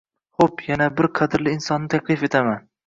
Hop yana bir qadrli insonni taklif etaman